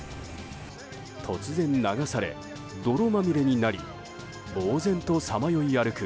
突然流され、泥まみれになりぼうぜんとさまよい歩く